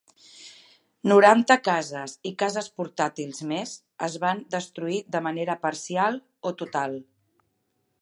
Noranta cases i cases portàtils més es van destruir de manera parcial o total.